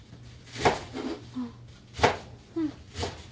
あっうん。